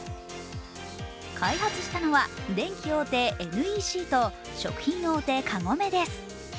開発したのは電機大手ＮＥＣと食品大手カゴメです。